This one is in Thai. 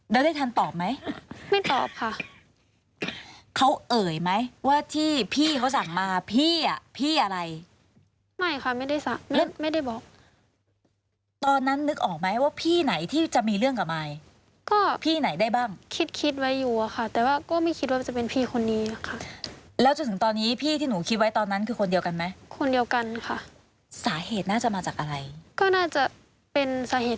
แล้วได้ทันตอบไหมไม่ตอบค่ะเขาเอ่ยไหมว่าที่พี่เขาสั่งมาพี่อ่ะพี่อะไรไม่ค่ะไม่ได้สั่งไม่ได้บอกตอนนั้นนึกออกไหมว่าพี่ไหนที่จะมีเรื่องกับมายก็พี่ไหนได้บ้างคิดคิดไว้อยู่อะค่ะแต่ว่าก็ไม่คิดว่ามันจะเป็นพี่คนนี้ค่ะแล้วจนถึงตอนนี้พี่ที่หนูคิดไว้ตอนนั้นคือคนเดียวกันไหมคนเดียวกันค่ะสาเหตุน่าจะมาจากอะไรก็น่าจะเป็นสาเหตุ